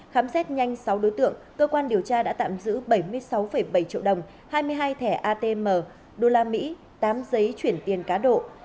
khám xét nhanh sáu đối tượng cơ quan điều tra đã tạm giữ bảy mươi sáu bảy triệu đồng hai mươi hai thẻ atm usd tám giấy chuyển tiền cá độ